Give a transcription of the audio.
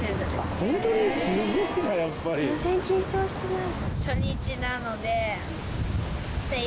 全然緊張してない。